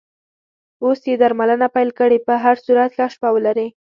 اوس یې درملنه پیل کړې، په هر صورت ښه شپه ولرې.